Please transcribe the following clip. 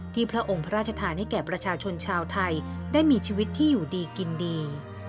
พระองค์พระราชทานให้แก่ประชาชนชาวไทยได้มีชีวิตที่อยู่ดีกินดี